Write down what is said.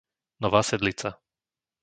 Nová Sedlica